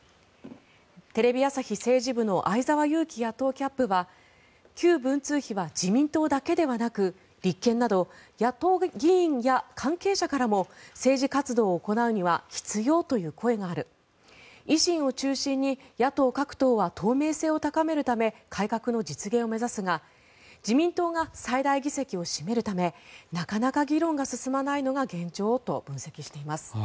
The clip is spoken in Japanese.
テレビ朝日政治部の相沢祐樹野党キャップは旧文通費は自民党だけではなく立憲など野党議員や関係者からも政治活動を行うには必要という声がある維新を中心に野党各党は透明性を高めるため改革の実現を目指すが自民党が最大議席を占めるためなかなか議論が進まないのが現状と分析しています。